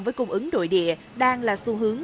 với cung ứng nội địa đang là xu hướng